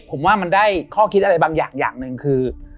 ผมว่ามันได้ข้อคิดอะไรบางอย่างอย่างหนึ่งคือ